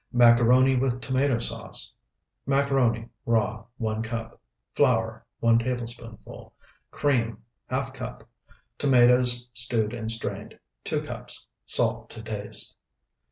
MACARONI WITH TOMATO SAUCE Macaroni, raw, 1 cup. Flour,1 tablespoonful. Cream, ½ cup. Tomatoes, stewed and strained, 2 cups. Salt to taste.